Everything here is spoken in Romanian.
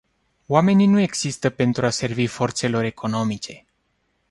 Oamenii nu există pentru a servi forțelor economice.